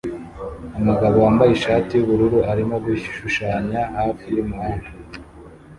Umugabo wambaye ishati yubururu arimo gushushanya hafi yumuhanda